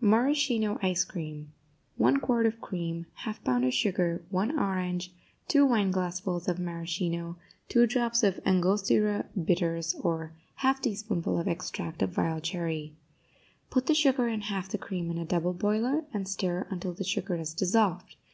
MARASCHINO ICE CREAM 1 quart of cream 1/2 pound of sugar 1 orange 2 wineglassfuls of maraschino 2 drops of Angostura Bitters, or 1/2 teaspoonful of extract of wild cherry Put the sugar and half the cream in a double boiler, and stir until the sugar is dissolved.